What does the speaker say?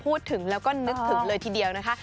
พูดถึงแล้วก็นึกถึงเลยทีเดียวนะคะ